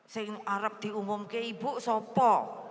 saya harap diumum ke ibu sopo